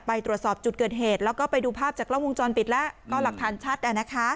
ไปตรวจสอบจุดเกิดเหตุแล้วก็ไปดูภาพจากกล้องวงจรปิดแล้วก็หลักฐานชัด